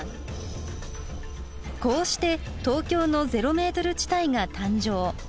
こうして東京のゼロメートル地帯が誕生。